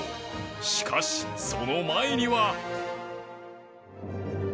しかしその前には